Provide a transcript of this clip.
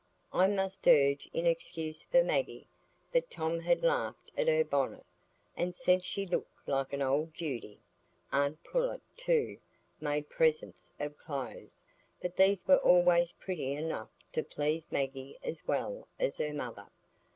I must urge in excuse for Maggie, that Tom had laughed at her in the bonnet, and said she looked like an old Judy. Aunt Pullet, too, made presents of clothes, but these were always pretty enough to please Maggie as well as her mother.